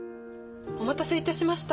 お待たせいたしました。